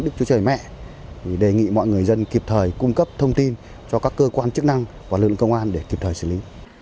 đức chúa trời mẹ thì đề nghị mọi người dân kịp thời cung cấp thông tin cho các cơ quan chức năng và lực lượng công an để kịp thời xử lý